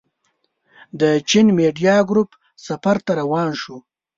د چين ميډيا ګروپ سفر ته روان شوو.